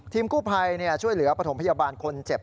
กู้ภัยช่วยเหลือปฐมพยาบาลคนเจ็บ